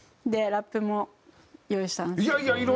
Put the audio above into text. ラップも用意したんですけど。